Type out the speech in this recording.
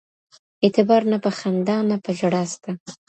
اعتبار نه په خندا نه په ژړا سته ..